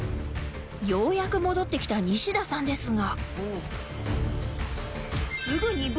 ようやく戻ってきた西田さんですが